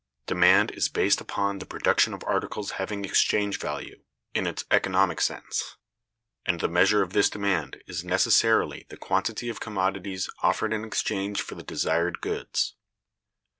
Demand is based upon the production of articles having exchange value, in its economic sense; and the measure of this demand is necessarily the quantity of commodities offered in exchange for the desired goods.